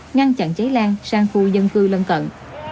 ngăn chặn cháy lan sang khu dân cư lân cận